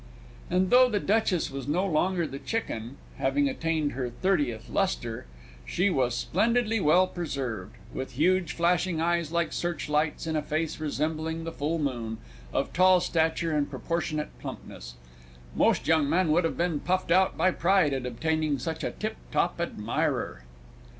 And, although the Duchess was no longer the chicken, having attained her thirtieth lustre, she was splendidly well preserved; with huge flashing eyes like searchlights in a face resembling the full moon; of tall stature and proportionate plumpness; most young men would have been puffed out by pride at obtaining such a tip top admirer.